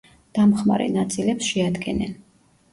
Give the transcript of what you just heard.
დამხმარე ნაწილებს შეადგენენ.